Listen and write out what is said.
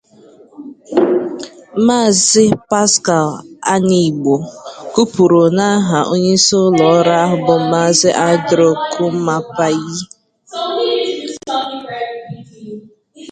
Maazị Paschal Anigbo kụpụrụ n'aha onyeisi ụlọọrụ ahụ bụ Maazị Andrew Kumapayi.